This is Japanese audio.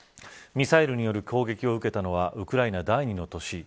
ミサイルによる攻撃を受けたのはウクライナ第２の都市